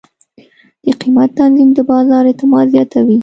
د قیمت تنظیم د بازار اعتماد زیاتوي.